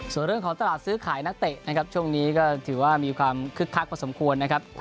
ส่วนเรื่องสื่อขายของตลาดนักเตะช่วงนี้ก็ถือว่ามีความคึกคลักพอสมควร